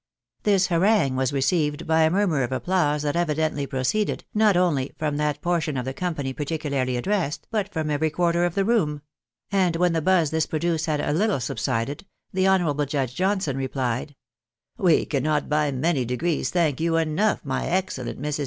This harangue was received by a murmur of applause that evi dently proceeded, not only from that portion of the company par ticularly addressed, but from every quarter of the room ; and when the buzz this produced had a Httle subsided, the honourable Judge Johnson replied — "We cannot by many degrees thank you enough, my excellent I\Irs.